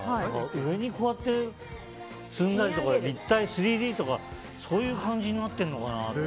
上に積んだりとか立体、３Ｄとかそういう感じになってるのかなと思って。